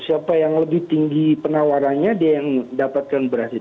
siapa yang lebih tinggi penawarannya dia yang mendapatkan beras